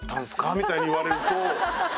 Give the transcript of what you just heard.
みたいに言われると。